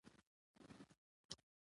نړۍ زموږ کلتور ته پاملرنه کوي.